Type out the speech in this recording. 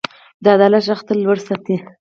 د عدالت غږ تل لوړ ساتئ.